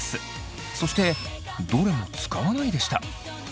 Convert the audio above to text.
そしてどれも使わないでした。